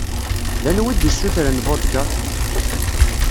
D anwa i d-isutren vodka?